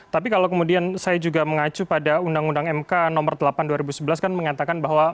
tapi kalau kemudian saya juga mengacu pada undang undang mk nomor delapan dua ribu sebelas kan mengatakan bahwa